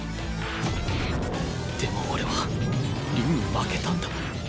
でも俺は凛に負けたんだ